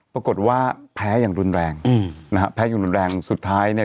ปรากฏว่าแพ้อย่างรุนแรงอืมนะฮะแพ้อย่างรุนแรงสุดท้ายเนี่ย